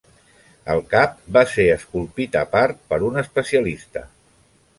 El cap va ser esculpit a part, per un especialista.